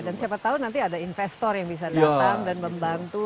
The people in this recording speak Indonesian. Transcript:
dan siapa tahu nanti ada investor yang bisa datang dan membantu